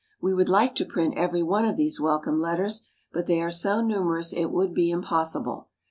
We would like to print every one of these welcome letters, but they are so numerous it would be impossible.